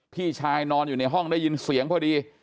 พี่ชายนอนอยู่ในห้องได้ยินเสียงพอดี